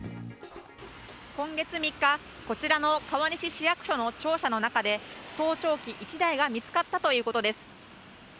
今月３日、こちらの川西市役所の庁舎の中で盗聴器１台が見つかったということです。